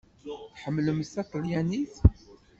Tḥemmlemt taṭelyanit?